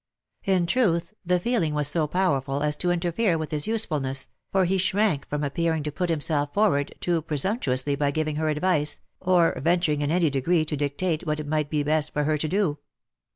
In truth the feeling was so powerful as to interfere with his usefulness, for he shrank from appearing to put himself forward too presumptuously by giving her advice, or venturing in any degree to dictate what it might be best for her to do.